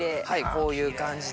こういう感じで。